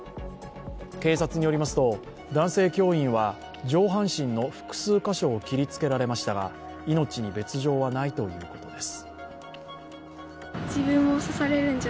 警察によりますと、男性教員は上半身の複数箇所を切りつけられましたが命に別状はないということです。